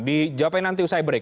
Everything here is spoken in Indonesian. dijawabkan nanti usai break